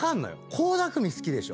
倖田來未好きでしょ。